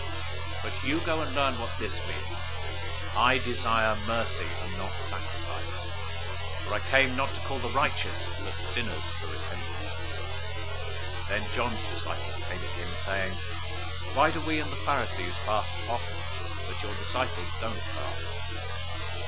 009:013 But you go and learn what this means: 'I desire mercy, and not sacrifice,'{Hosea 6:6} for I came not to call the righteous, but sinners to repentance.{NU omits "to repentance".}" 009:014 Then John's disciples came to him, saying, "Why do we and the Pharisees fast often, but your disciples don't fast?"